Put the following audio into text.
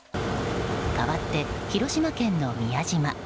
かわって、広島県の宮島。